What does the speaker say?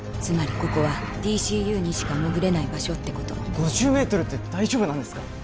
つまりここはＤＣＵにしか潜れない場所ってこと５０メートルって大丈夫なんですか？